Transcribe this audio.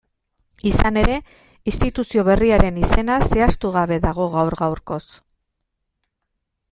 Izan ere, instituzio berriaren izena zehaztugabe dago gaur-gaurkoz.